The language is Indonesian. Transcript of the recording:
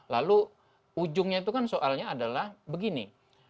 lalu ujungnya itu kan soalnya adalah begini